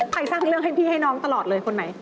สร้างเรื่องให้พี่ให้น้องตลอดเลยคนไหน